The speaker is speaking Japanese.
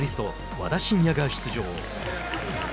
和田伸也が出場。